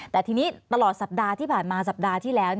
แต่ทีนี้ตลอดสัปดาห์ที่ผ่านมาสัปดาห์ที่แล้ว